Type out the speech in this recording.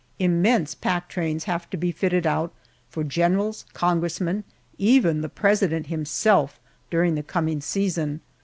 Immense pack trains have to be fitted out for generals, congressmen, even the President himself, during the coming season.